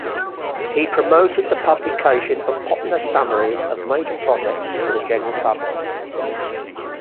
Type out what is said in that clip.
He promoted the publication of popular summaries of major projects for the general public.